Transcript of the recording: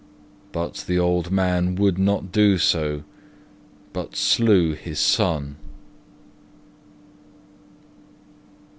But the old man would not so, but slew his son.